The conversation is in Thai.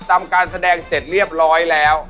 ทำการแสดงเสร็จเรียบร้อยแล้ว